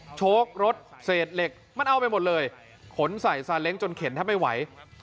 โอ้โหโช๊ครถเสดเหล็กมันเอาไปหมดเลยขนใส่ซาเล็กจนเข็นถ้าไม่ไหว